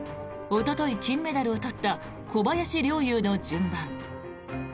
おととい金メダルを取った小林陵侑の順番。